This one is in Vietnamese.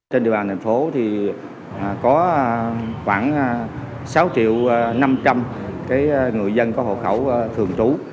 trên địa bàn tp hcm thì có khoảng sáu triệu năm trăm linh cái người dân có hồ khẩu thường trú